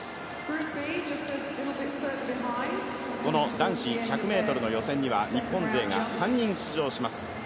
男子１００ｍの予選には日本勢が３人出場します。